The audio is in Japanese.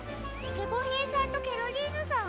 ゲコヘイさんとケロリーヌさんは？